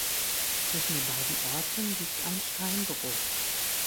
Zwischen den beiden Orten liegt ein Steinbruch.